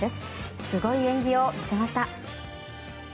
すごい演技を見せました。